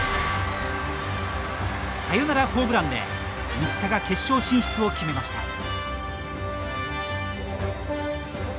サヨナラホームランで新田が決勝進出を決めました。